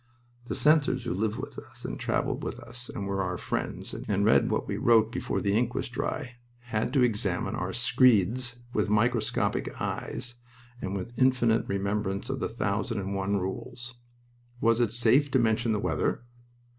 The censors who lived with us and traveled with us and were our friends, and read what we wrote before the ink was dry, had to examine our screeds with microscopic eyes and with infinite remembrance of the thousand and one rules. Was it safe to mention the weather?